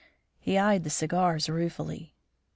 He eyed the cigars ruefully.